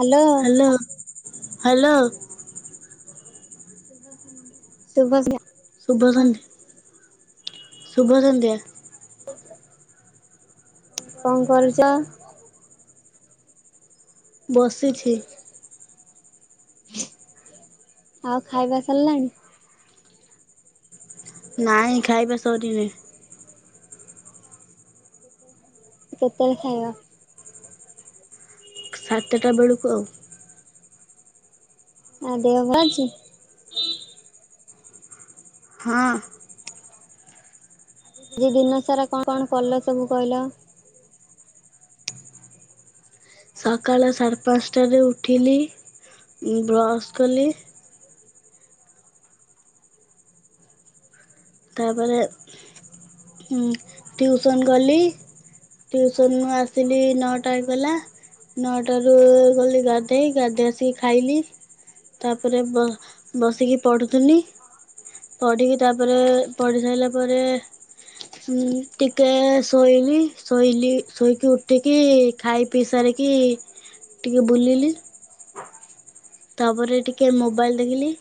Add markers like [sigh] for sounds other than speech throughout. Hello hello hello. [unintelligible] ଶୁଭ ସନ୍ଧ୍ୟା। ଶୁଭ ସନ୍ଧ୍ୟା। କଣ କରୁଛ? ବସିଛି। ଆଉ ଖାଇବା ସରିଲାଣି? ନାଇଁ ଖାଇବା ସରିିନି। କେତେବେଳେ ଖାଇବ? ସାତଟା ବେଳକୁ ଆଉ। ଆଉ ଦେହ ଭଲ ଅଛି? ହଁ। ଆଜି ଦିନ ସାରା କଣ କଣ କଲ ସବୁ କହିଲ? ସକାଳ ସାଢେ ପାଞ୍ଚଟାରେ ଉଠିଲି। ଉଁ ବ୍ରଶ କଲି ତାପରେ ଉଁ ଟ୍ୟୁସନ ଗଲି। ଟ୍ୟୁସନରୁ ଆସିଲି ନଅଟା ହେଇଗଲା। ନଅଟାରୁ ଗଲି ଗାଧେଇ, ଗାଧେଇ ଆସିକି ଖାଇଲି। ତାପରେ ବ ବସିକି ପଢୁଥିନି। ପଢିକି ତାପରେ ଖାଇଲା ପରେ ଉଁ ଟିକେ ଶୋଇଲି, ଶୋଇଲି ଶୋଇକି ଉଠିକି, ଖାଇ ପିଇ ସାରିକି ଟିକେ ବୁଲିଲି। ତାପରେ ଟିକେ ମୋବାଇଲ୍ ଦେଖିଲି।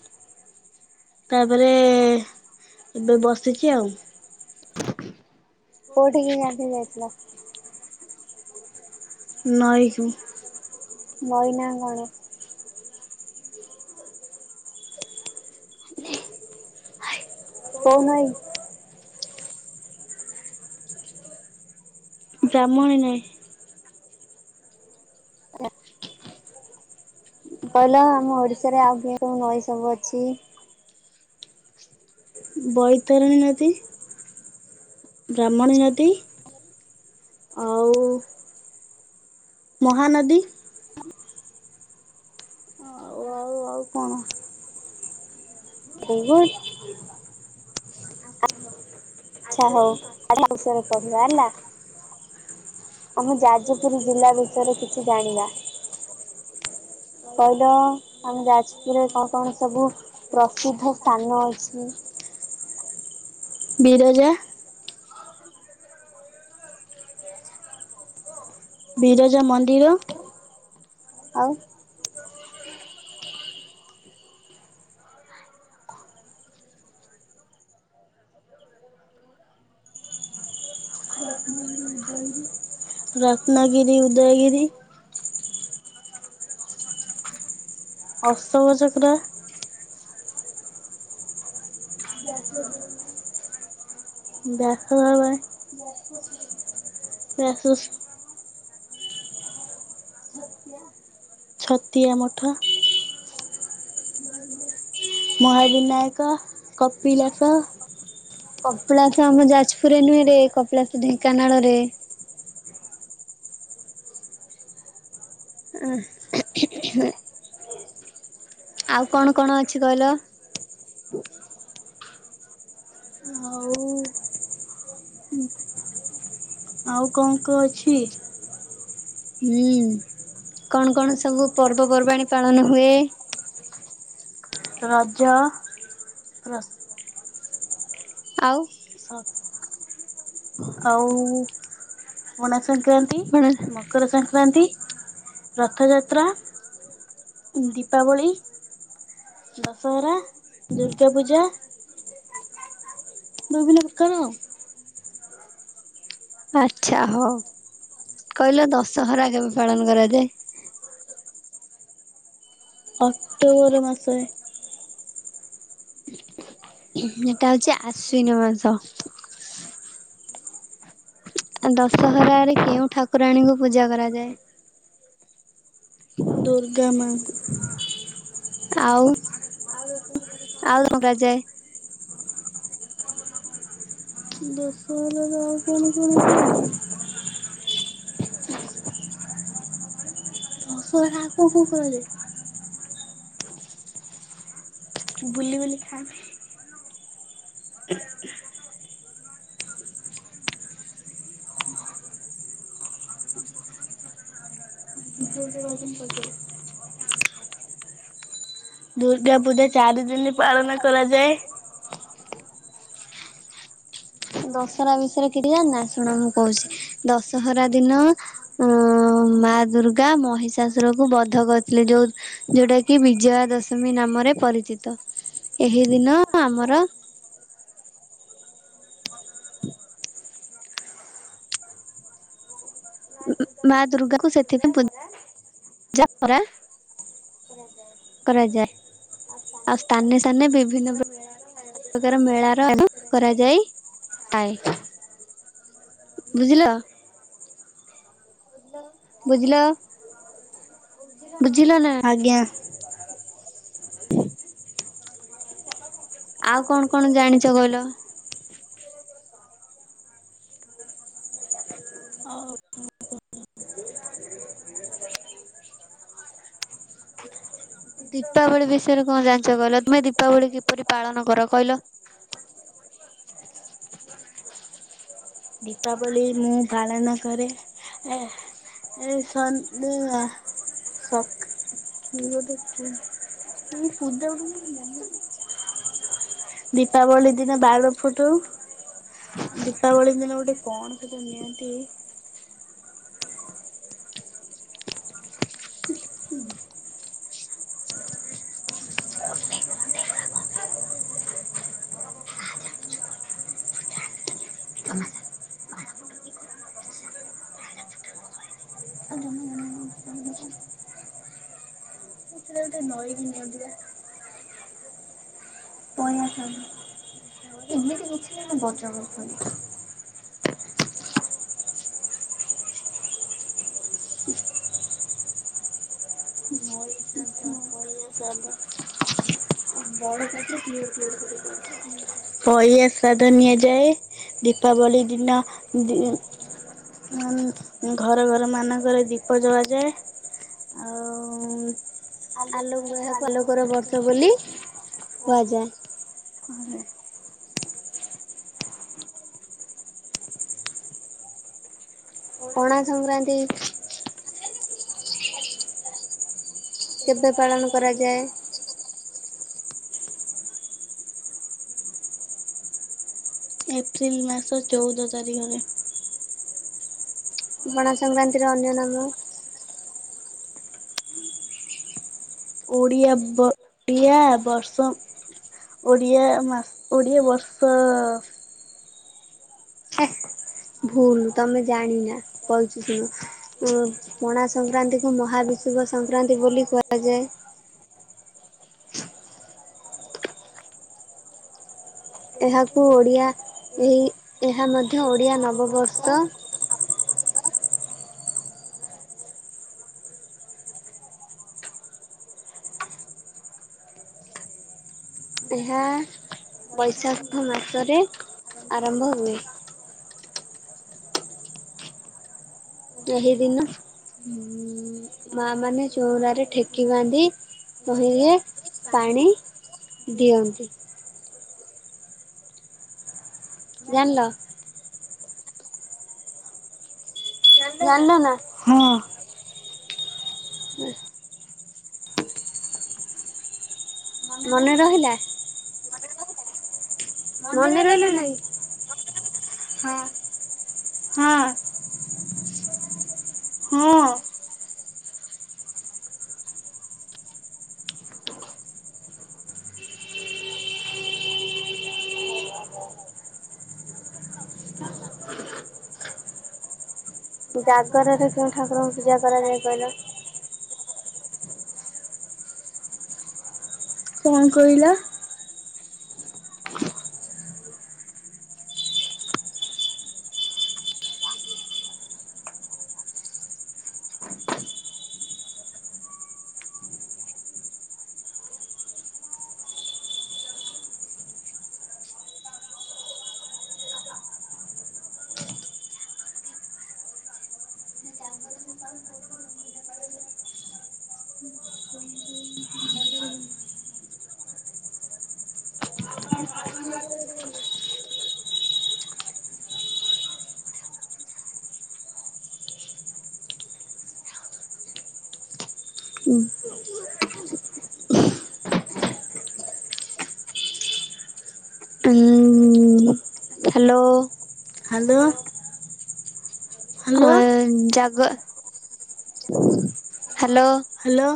ତାପରେ ଏବେ ବସିଚି ଆଉ। କୋଉଠି କି ଗାଧେଇ ଯାଇଥିଲ? ନଈ କୁ। ନଈ ନା କଣ? କୋଉ ନଈ? ବ୍ରାହ୍ମଣି ନଈ। କହିଲ ଆମ ଓଡିଶାରେ ଆଉ କେଉଁ ନଈ ସବୁ ଅଛି। ବୈତରଣୀ ନଦୀ ବ୍ରାହ୍ମଣୀ ନଦୀ ଆଉ ମହାନଦୀ କୁଅ ଆଉ କଣ? ଥିବ ଇ ଆଚ୍ଛା ହୋଉ ଆଜି [inaudible] ବିଷୟରେ କହିବା ହେଲା? ଆମ ଯାଜପୁର ଜିଲ୍ଲା ବିଷୟରେ କିଛି ଜାଣିବା। କହିଲ ଆମ ଯାଜପୁରରେ କଣ କଣ ସବୁ ପ୍ରାକୃତିକ ସ୍ଥାନ ଅଛି? ବିରଜା ବିରଜା ମନ୍ଦିର ଆଉ ରତ୍ନଗିରି, ଉଦୟଗିରି [inaudible] ରତ୍ନଗିରି, ଉଦୟଗିରି ଅଶୋକ ଚକ୍ର [unintelligible] ଦେଖିବା ପାଇଁ [unintelligible] [unintelligible] ଛତିଆ ଛତିଆ ମଠ [unintelligible] ମହାବୀନାୟକ, କପିଳାସ କପିଳାସ ଆମ ଯାଜପୁରରେ ନୁହେଁରେ କପିଳାସ ଢେଙ୍କାନାଳରେ। ଉଁହୁଁ। ଆଉ କଣ କଣ ଅଛି କହିଲ। ଆଉ ଆଉ କଣ କଣ ଅଛି। ହୁଁ କଣ କଣ ସବୁ ପର୍ବପର୍ବାଣିୀ ପାଳନ ହୁଏ? ରଜ ପ୍ର ଆଉ। ହଁ ଆଉ ପଣା ସଂକ୍ରାନ୍ତି କଣ ମକର ସଂକ୍ରାନ୍ତି, ରଥଯାତ୍ରା ଦୀପାବଳି, ଦଶହରା ଦୁର୍ଗା ପୂଜା ଭାବିଲି ଉତ୍କଳ ଆଚ୍ଛା ହୋଉ କହିଲ ଦଶହରା କେବେ ପାଳନ କରାଯାଏ? ଅକ୍ଟୋବର ମାସରେ। ହୁଁ ଏଟା ହଉଛି ଆଶ୍ଵିନ ମାସ। ଆ ଦଶହରାରେ କେଉଁ ଠାକୁରାଣୀଙ୍କୁ ପୂଜା କରାଯାଏ? ଦୁର୍ଗା ମାଙ୍କୁ। ଆଉ, ଆଉ କ କରାଯାଏ? ଦଶ ହଜାର ଆଉ କଣ କଣ [unintelligible] ଦଶହରା, ଆଉ କଣ କଣ କରାଯାଏ? ବୁଲିବୁଲି ଖାଆନ୍ତି। [unintelligible] [inaudible] ଦୁର୍ଗା ପୂଜା ଚାରି ଦିନି ପାଳନ କରାଯାଏ। ଦଶହରା ବିଷୟରେ କିଛି ଜାଣିନା? ଶୁଣ ମୁଁ କହୁଛି। ଦଶହରା ଦିନ ହଁ, ମା ଦୁର୍ଗା ମହିଷାସୁର କୁ ବଧ କରିଥିଲେ। ଯୋଉ ଯୋଉଟା କି ବିଜୟା ଦଶମୀ ନାମରେ ପରିଚିତ। ଏହି ଦିନ ଆମର ମା ମା ଦୁର୍ଗାଙ୍କୁ ଦୁର୍ଗାକୁ ସେଥିପାଇଁ ପୂଜା କରା କରାଯାଏ। ପୂଜା କରା କରାଯାଏ ଆଉ ସ୍ଥାନେ ସ୍ଥାନେ ବିଭିନ୍ନ ପ୍ର [unintelligible] ପ୍ରକାର ମେଳା ର [unintelligible] କରାଯାଇଥାଏ ବୁଝିଲ? ବୁଝିଲ? ବୁଝିଲ ନା? ଆଜ୍ଞା। ଆଉ କଣ କଣ ଜାଣିଛ କିହିଲ? ଆଉ ଦୀପାବଳି ବିଷୟରେ କଣ ଜାଣିଛ କହିଲ? ତୁମେ ଦୀପାବଳି କିପରି ପାଳନ କର କହିଲ? ଦୀପାବଳି ମୁଁ ପାଳନ କରେ ଏ [unintelligible] ି [inaudible] ଦୀପାବଳି ଦିନ ବାଣ ଫୁଟଉ। ଦୀପାବଳି ଦିନ ଗୋଟେ କଣ ସେତ ନିଅନ୍ତି? ହୁଁ [unintelligible] [unintelligible] ବଳିଆ ସ୍ଵାଦ ନିଆଯାଏ। ଦୀପାବଳି ଦିନ ଦି ଉଁ ଘର ଘର ମାନଙ୍କରେ ଦୀପ ଜଳା ଯାଏ। ଆଉ [unintelligible] ଆଲୋକର ବର୍ଷ ବୋଲି କୁହାଯାଏ। ହ ପଣା ସଂକ୍ରାନ୍ତି କେବେ ପାଳନ କରାଯାଏ? ଏପ୍ରିଲ ମାସ ଚଉଦ ତାରିଖରେ। ପଣା ସଂକ୍ରାନ୍ତିର ଅନ୍ୟ ନାମ ଓଡ଼ିଆ ବ ଡ଼ିଆ ବର୍ଷ ଓଡ଼ିଆ ମାସ ଓଡିଆ ବର୍ଷ ଭୁଲ୍, ତମେ ଜାଣି ନା। କହୁଛି ଶୁଣ। ଉଁ ପଣା ସଂକ୍ରାନ୍ତିକୁ ମହାବିଶୁବ ସଂକ୍ରାନ୍ତି ବୋଲି କୁହାଯାଏ। ଏହାକୁ ଓଡ଼ିଆ ଏହି ଏହା ମଧ୍ୟ ଓଡ଼ିଆ ନବବର୍ଷ। ଏହା ବୈଶାଖ ମାସରେ ଆରମ୍ଭ ହୁଏ। ଏହି ଦିନ ମା ମାନେ ଚଉରାରେ ଠେକି ବାନ୍ଧି ତହିଁରେ [inaudible] ପାଣି। ଦିଅନ୍ତି। ଜାଣିଲ? ଜାଣିଲ ନା? ହଁ ହଁ। ମନେ ରହିଲା। ମନେ ରହିଲା ନା ନାଇଁ? ହଁ। ହଁ। ହଁ। ଜାଗରରେ କେଉଁ ଠାକୁରଙ୍କୁ ପୂଜା କରାଯାଏ କହିଲ? କଂ କହିଲ? [unintelligible] ହୁଁ। ହୁଁ ହ୍ୟାଲୋ ହ୍ୟାଲୋ ହ୍ୟାଲୋ ଜାଗ - - ହ୍ୟାଲୋ ହ୍ୟାଲୋ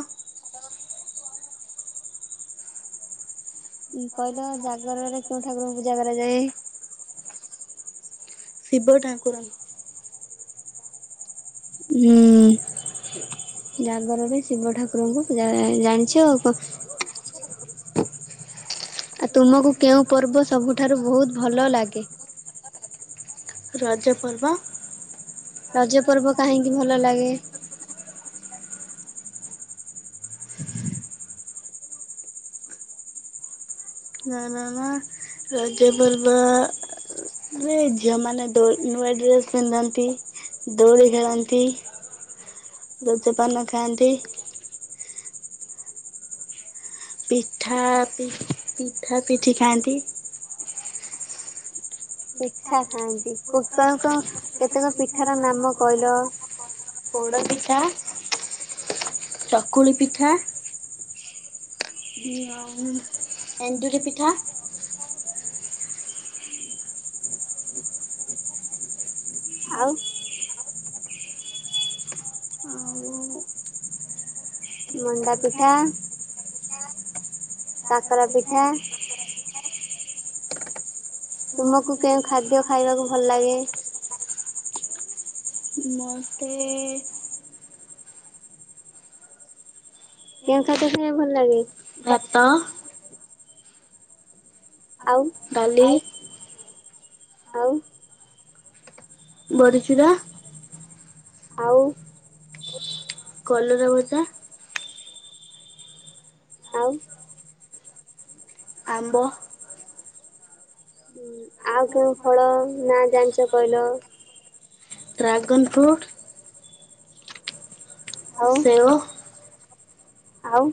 କହିଲ ଜାଗରରେ କୋଉ ଠାକୁରଙ୍କୁ ପୂଜା କରାଯାଏ? ଶିବ ଠାକୁର। ହୁଁ, ଜାଗରରେ ଶିବ ଠାକୁରଙ୍କୁ ପୂଜା କରା ଜାଣିଚ ଆଉ କଂ। ଆଉ ତୁମକୁ କେଉଁ ପର୍ବ ସବୁଠାରୁ ବହୁତ ଭଲ ଲାଗେ? ରଜପର୍ବ। ରଜ ପର୍ବ କାହିଁକି ଭଲ ଲାଗେ? ନା ନା ନା ରଜପର୍ବ ଝିଅ ମାନେ ଦୋ ନୂଆ ଡ୍ରେସ ପିନ୍ଧନ୍ତି। ଦୋଳି ଖେଳନ୍ତି। ରଜପାନ ଖାଆନ୍ତି। ପିଠା, ପିଠା ପିଠି ଖାଆନ୍ତି। ପିଠା ଖାଆନ୍ତି। କୁକୁଳଙ୍କ କେତେକ ପିଠା ର ନାମ କହିଲ? ପୋଡ ପିଠା, ଚକୁଳି ପିଠା ଏଣ୍ଡୁରି ପିଠା। ଆଉ। ଆଉ ମଣ୍ଡା ପିଠା। କାକରା ପିଠା। ତୁମକୁ କେଉଁ ଖାଦ୍ୟ ଖାଇବାକୁ ଭଲ ଲାଗେ? ମତେ କେଉଁ ଖାଦ୍ୟ ଖାଇବାକୁ ଭଲ ଲାଗେ? ଭାତ। ଆଉ? ଡାଲି ଆଉ? ବଡି ଚୂୁରା। ଆଉ? କଲରା ଭଜା। ଆଉ? ଆମ୍ବ। ହୁଁ, ଆଉ କଉଁ ଫଳ ନା ଜାଣିଛ କହିଲ? Dragon fruit. ଆଉ? ସେଓ ଆଉ?